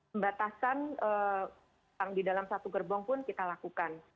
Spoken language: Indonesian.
pembatasan di dalam satu gerbong pun kita lakukan